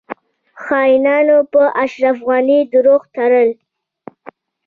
خاینانو په اشرف غنی درواغ تړل